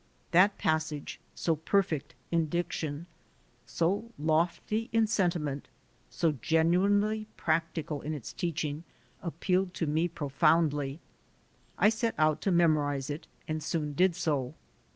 That passage so perfect in diction, so lofty in senti ment, so genuinely practical in its teaching, appealed to me profoundly. I set out to memorize it and soon did so.